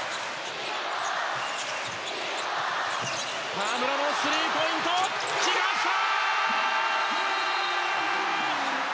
河村のスリーポイント決めました！